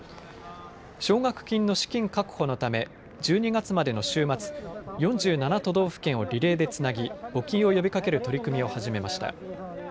奨学金の資金確保のため１２月までの週末、４７都道府県をリレーでつなぎ募金を呼びかける取り組みを始めました。